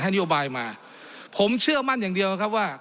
นโยบายมาผมเชื่อมั่นอย่างเดียวนะครับว่า